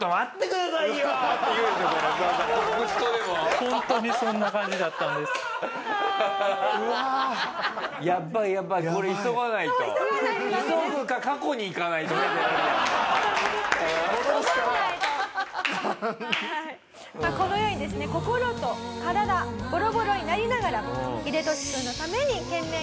このようにですね心と体ボロボロになりながらも。